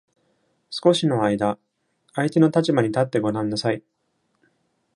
少しの間、相手の立場に立ってごらんなさい。